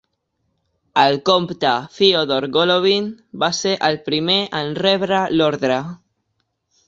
El compte Fyodor Golovin va ser el primer en rebre l'ordre.